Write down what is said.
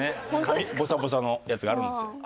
髪ボサボサのやつがあるんですよ。